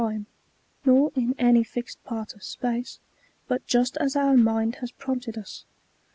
260 291. in any fixed part of space, but just as our mind has prompted us.